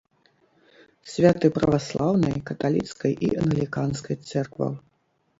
Святы праваслаўнай, каталіцкай і англіканскай цэркваў.